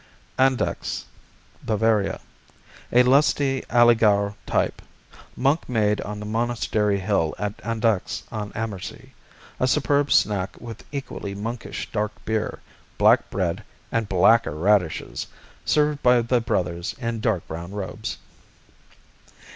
Andechs Bavaria A lusty Allgäuer type. Monk made on the monastery hill at Andechs on Ammersee. A superb snack with equally monkish dark beer, black bread and blacker radishes, served by the brothers in dark brown robes.